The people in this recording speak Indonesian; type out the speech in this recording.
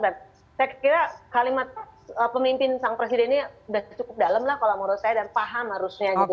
saya kira kalimat pemimpin sang presiden ini sudah cukup dalam lah kalau menurut saya dan paham harusnya gitu